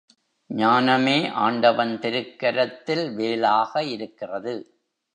ஞானமே ஆண்டவன் திருக்கரத்தில் வேலாக இருக்கிறது.